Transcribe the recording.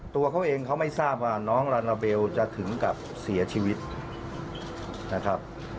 ตัวเขาเองเขาไม่ทราบว่าน้องลาลาเบลจะถึงกับเสียชีวิตนะครับ